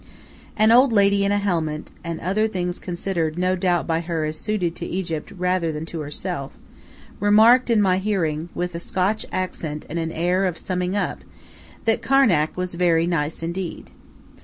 An old lady in a helmet, and other things considered no doubt by her as suited to Egypt rather than to herself, remarked in my hearing, with a Scotch accent and an air of summing up, that Karnak was "very nice indeed."